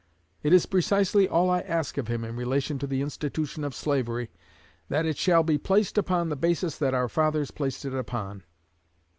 It is precisely all I ask of him in relation to the institution of slavery, that it shall be placed upon the basis that our fathers placed it upon.